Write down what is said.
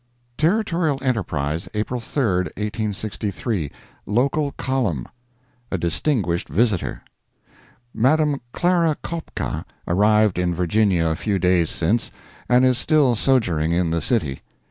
Territorial Enterprise, April 3, 1863 LOCAL COLUMN A DISTINGUISHED VISITOR.—Madame Clara Kopka arrived in Virginia a few days since, and is still sojourning in the city.